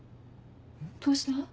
どうした？